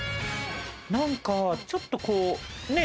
何かちょっとこうね